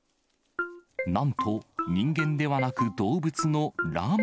なんと、人間ではなく動物のラマ。